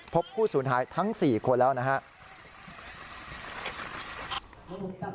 ผู้สูญหายทั้ง๔คนแล้วนะครับ